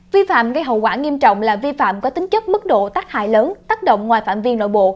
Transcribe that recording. vi phạm gây hậu quả nghiêm trọng là vi phạm có tính chất mức độ tác hại lớn tác động ngoài phạm vi nội bộ